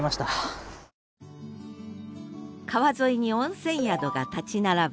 川沿いに温泉宿が立ち並ぶ